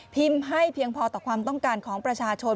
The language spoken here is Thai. ให้เพียงพอต่อความต้องการของประชาชน